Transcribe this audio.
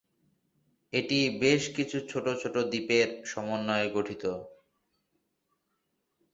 এটি বেশ কিছু ছোট ছোট দ্বীপের সমন্বয়ে গঠিত।